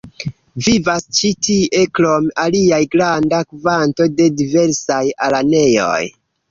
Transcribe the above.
Vivas ĉi tie krom aliaj granda kvanto de diversaj araneoj.